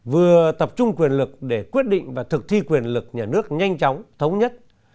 vừa tập trung quyền lực để quyết định và thực thi quyền lực nhà nước nhanh chóng thống nhất